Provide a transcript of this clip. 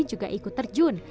juga ikut terjun